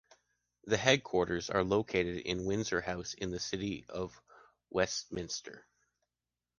The headquarters are located in Windsor House in the City of Westminster.